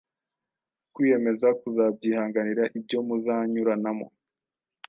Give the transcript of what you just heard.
Kwiyemeza kuzabyihanganira ibyo muzanyuranamo